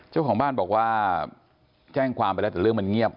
เจ้าของบ้านบอกว่าแจ้งความไปแล้วแต่เรื่องมันเงียบ